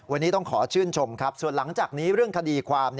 วันนี้ต้องขอชื่นชมครับส่วนหลังจากนี้เรื่องคดีความ